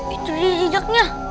itu dia jejaknya